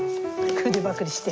腕まくりして。